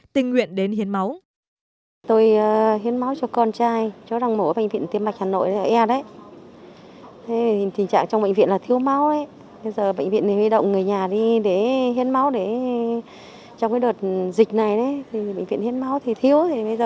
tình nguyện đến hiến máu